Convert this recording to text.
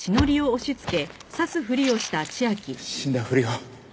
死んだふりを。